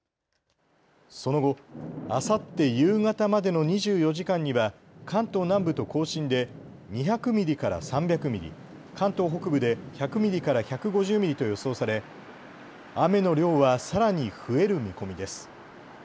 その後、あさって夕方までの２４時間には関東南部と甲信で２００ミリから３００ミリ、関東北部で１００ミリから１５０ミリと予想され、雨の量はさらに増える見込みです。